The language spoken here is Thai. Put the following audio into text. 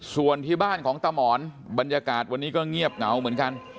ส่วนที่บ้านของตามอนบรรยากาศวันนี้ก็เงียบเหงาเหมือนกัน